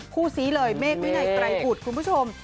ครูสิเลยเมกห้อยในไกลพุธคุณผู้ชม